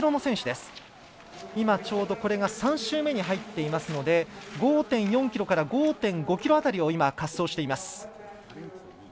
ちょうどこれが３周目に入っていますので５．４ｋｍから５．５ｋｍ辺りを滑走しています。